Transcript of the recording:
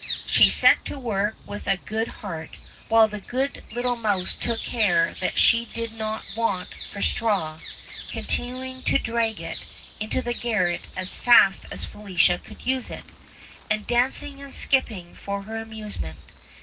She set to work with a good heart, while the good little mouse took care that she did not want for straw, continuing to drag it into the garret as fast as Felicia could use it, and dancing and skipping for her amuse ment.